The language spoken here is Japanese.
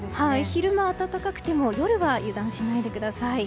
昼間は暖かくても夜は油断しないでください。